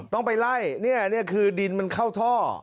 ต้องไปไล่นี่คือดินมันเข้าท่อ